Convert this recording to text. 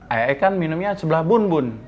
ae ae kan minumnya sebelah bun